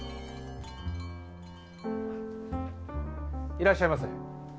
いらっしゃいませ。